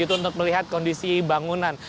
untuk melihat kondisi bangunan